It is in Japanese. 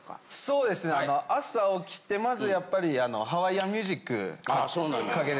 そうですね朝起きてまずやっぱりハワイアンミュージックかける。